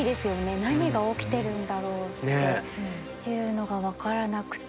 何が起きてるんだろうっていうのが分からなくて。